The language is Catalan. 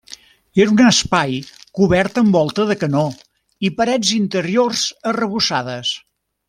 Era un espai cobert amb volta de canó i parets interiors arrebossades.